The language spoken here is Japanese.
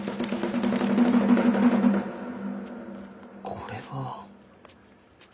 これは。